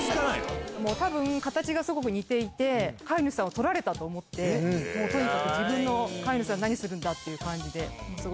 形がすごく似ていて飼い主さんを取られたと思って自分の飼い主さんに何するんだ！っていう感じで。